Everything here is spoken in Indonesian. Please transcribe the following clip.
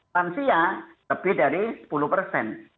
lansia lebih dari sepuluh persen